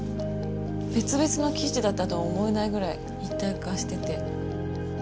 別々の生地だったとは思えないぐらい一体化してて。